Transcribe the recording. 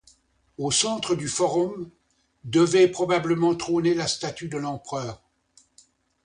Au centre du forum devait probablement trôner la statue de l'empereur.